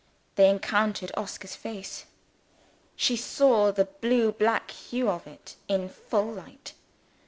They encountered Oscar's face. She saw the blue black hue of it in full light.